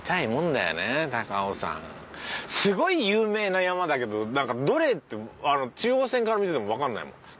すごい有名な山だけどなんかどれ中央線から見ててもわかんないもん。